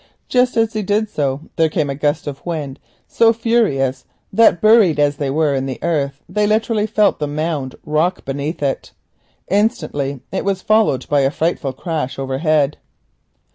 Just as he did so there came so furious a gust of wind that, buried as they were in the earth, they literally felt the mound rock beneath it. Instantly it was followed by a frightful crash overhead.